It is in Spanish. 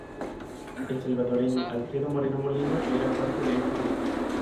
El salvadoreño Alfredo Moreno Molina era parte de este grupo.